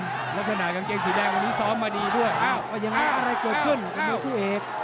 เอ้ารักษณะกางเจียงสีแดงวันนี้ซ้อมมาดีด้วยว่ายังไงขักอะไรเกิดขึ้นไงมองคู่เอก